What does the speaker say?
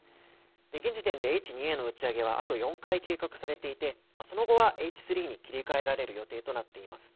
現時点でＨ２Ａの打ち上げはあと４回計画されていて、その後はＨ３に切り替えられる予定となっています。